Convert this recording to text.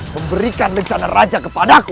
memberikan rencana raja kepadaku